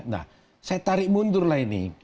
nah saya tarik mundur lah ini